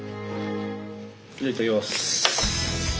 じゃあいただきます。